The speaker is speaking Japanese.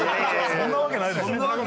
そんなわけないですよ。